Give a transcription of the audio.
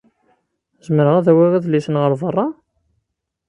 Zemreɣ ad awiɣ idlisen ɣer berra?